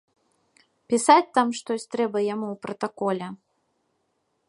Пісаць там штось трэба яму ў пратаколе.